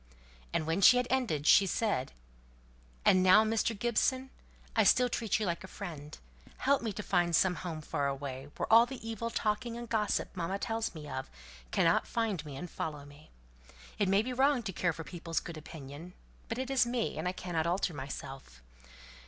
When she had ended, she said: "And now, Mr. Gibson, I still treat you like a friend, help me to find some home far away, where all the evil talking and gossip mamma tells me of cannot find me and follow me. It may be wrong to care for people's good opinion, but it is me, and I cannot alter myself.